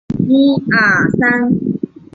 她要求所有学生完全尊敬她。